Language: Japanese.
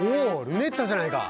ルネッタじゃないか。